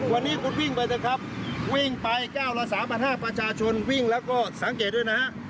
วันนี้คุณวิ่งไปเถอะครับวิ่งไปก้าวละ๓๕๐๐ประชาชนวิ่งแล้วก็สังเกตด้วยนะฮะ